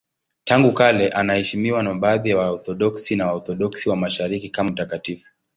Tangu kale anaheshimiwa na baadhi ya Waorthodoksi na Waorthodoksi wa Mashariki kama mtakatifu.